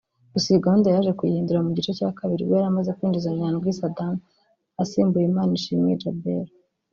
Gusa iyi gahunda yaje kuyihindura mu gice cya kabiri ubwo yari amaze kwinjiza Nyandwi Saddam asimbuye Manishimwe Djabel